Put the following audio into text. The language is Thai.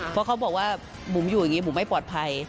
เพราะเขาบอกว่าบุ๋มอยู่อย่างนี้บุ๋มไม่ปลอดภัย